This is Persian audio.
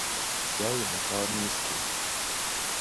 جای انکار نیست که...